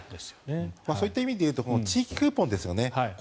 そういう意味でいうと地域クーポンですよね。